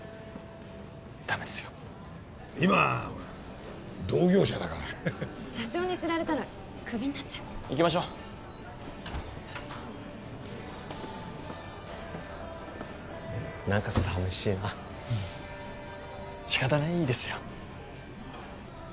ダメですよ今は同業者だから社長に知られたらクビになっちゃう行きましょう何か寂しいな仕方ないですよ